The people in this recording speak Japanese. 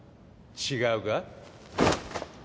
違うか？